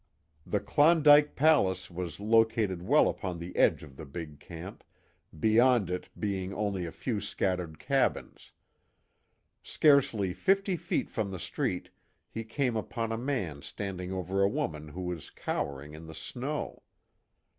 The "Klondike Palace" was located well upon the edge of the big camp, beyond it being only a few scattered cabins. Scarcely fifty feet from the street he came upon a man standing over a woman who was cowering in the snow.